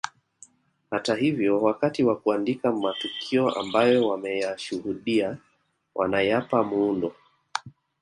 Hata hivyo wakati wa kuandika matukio ambayo wameyashuhudia wanayapa muundo